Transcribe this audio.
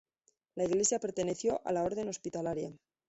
La iglesia perteneció a la Orden hospitalaria.